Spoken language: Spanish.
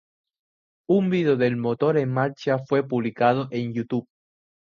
Un video del motor en marcha fue publicado en YouTube.